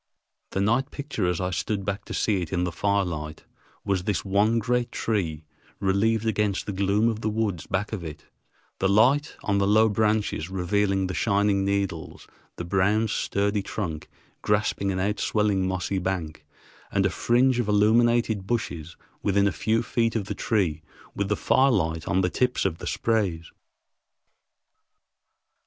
The night picture as I stood back to see it in the firelight was this one great tree, relieved against the gloom of the woods back of it, the light on the low branches revealing the shining needles, the brown, sturdy trunk grasping an outswelling mossy bank, and a fringe of illuminated bushes within a few feet of the tree with the firelight on the tips of the sprays.